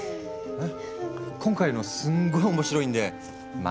えっ？